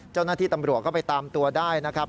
เจ้าหน้าที่ตำรวจก็ไปตามตัวได้นะครับ